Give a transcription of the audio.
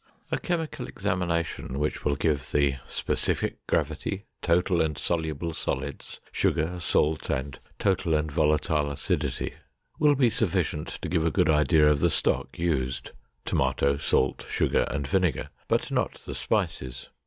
A chemical examination which will give the specific gravity, total and soluble solids, sugar, salt, and total and volatile acidity, will be sufficient to give a good idea of the stock used—tomato, salt, sugar, and vinegar, but not the spices.